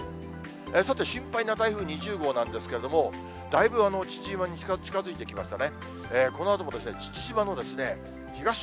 さて、心配な台風２０号なんですけれども、だいぶ父島に近づいてきましたね。